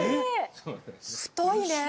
太いね。